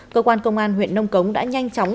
cơ quan công an huyện nông cống đã nhanh chóng